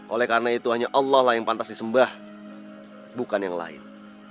oleh karena itu hanya allah lah yang pantas disembah bukan yang lain